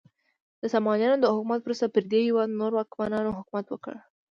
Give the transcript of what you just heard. د سامانیانو د حکومت وروسته پر دې هیواد نورو واکمنانو حکومت وکړ.